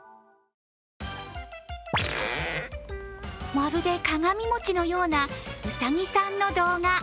まるで鏡餅のようなうさぎさんの動画。